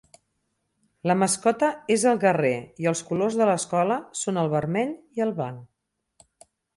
La mascota és el guerrer i els colors de l'escola són el vermell i el blanc.